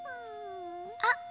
あっ。